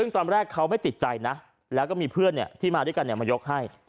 ซึ่งตอนแรกเขาไม่ติดใจนะแล้วก็มีเพื่อนที่มาด้วยกันมายกให้